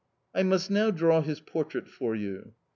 I must now draw his portrait for you.